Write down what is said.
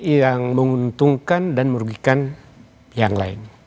yang menguntungkan dan merugikan yang lain